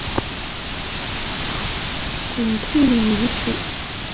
滚兔岭遗址位于黑龙江省双鸭山市集贤县福利镇福兴村东南的滚兔岭上。